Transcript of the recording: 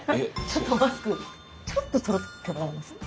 ちょっとマスクちょっと取ってもらえます？